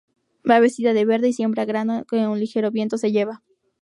Va vestida de verde y siembra grano que un ligero viento se lleva.